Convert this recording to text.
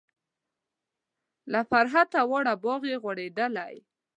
له فرحته واړه باغ و غوړیدلی.